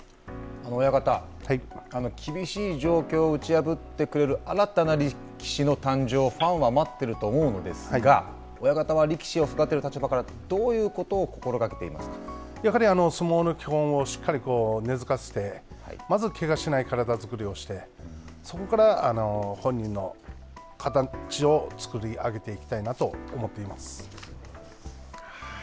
親方、厳しい状況を打ち破ってくれる新たな力士の誕生、ファンは待っていると思うのですが、親方は力士を育てる立場からやはり相撲の基本をしっかり根づかせて、まず、けがしない体作りをして、そこから本人の形を作り上げていきたいなと思っています。